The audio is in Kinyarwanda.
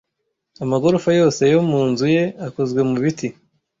Amagorofa yose yo mu nzu ye akozwe mu biti.